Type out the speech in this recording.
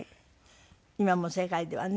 今も世界ではね